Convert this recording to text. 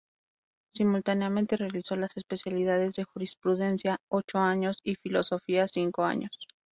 Simultáneamente realizó las especialidades de Jurisprudencia, ocho años y Filosofía, cinco años.